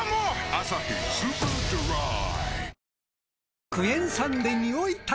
「アサヒスーパードライ」